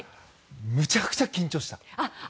めちゃくちゃ緊張した。